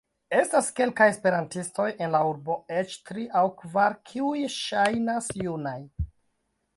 Estas kelkaj Esperantistoj en la urbo, eĉ tri aŭ kvar kiuj ŝajnas junaj.